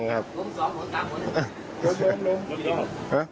ล้มสองหมดตามหมด